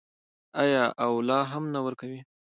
آیا او لا هم نه ورکوي؟